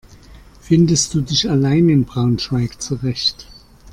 Findest du dich allein in Braunschweig zurecht?